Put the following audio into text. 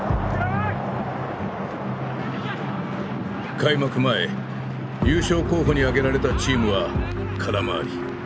開幕前優勝候補に挙げられたチームは空回り。